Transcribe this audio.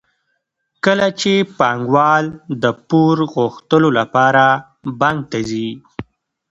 کله چې پانګوال د پور غوښتلو لپاره بانک ته ځي